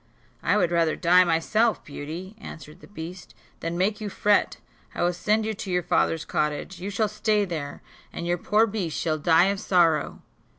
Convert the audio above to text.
"I would rather die myself, Beauty," answered the beast, "than make you fret; I will send you to your father's cottage, you shall stay there, and your poor beast shall die of sorrow."